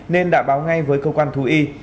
nên đã báo ngay với cơ quan thú y